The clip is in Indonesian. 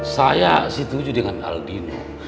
saya setuju dengan aldino